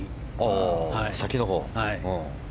先のほう？